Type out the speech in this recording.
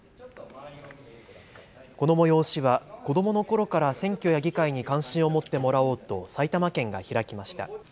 この催しは子どものころから選挙や議会に関心を持ってもらおうと埼玉県が開きました。